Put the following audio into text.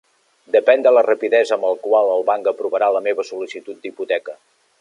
Depèn de la rapidesa amb el qual el banc aprovarà la meva sol·licitud d'hipoteca.